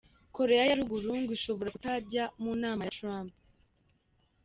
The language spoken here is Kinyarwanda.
Korea ya ruguru ngo ishobora kutaja mu nama ya Trump .